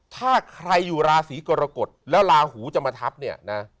ถ้าใครอยู่ราศีกรกฎแล้วลาหูจะมาทับเนี่ยนะ